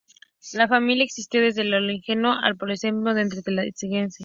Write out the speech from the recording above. La familia existió desde el Oligoceno al Plioceno antes de extinguirse.